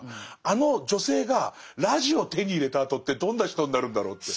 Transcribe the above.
あの女性がラジオを手に入れたあとってどんな人になるんだろうって。